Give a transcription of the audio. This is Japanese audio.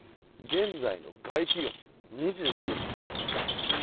現在の外気温、２５度です。